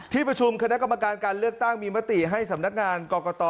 ประชุมคณะกรรมการการเลือกตั้งมีมติให้สำนักงานกรกต